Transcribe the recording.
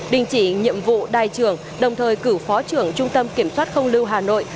đình chỉ nhiệm vụ đài trưởng đồng thời cử phó trưởng trung tâm kiểm soát không lưu hà nội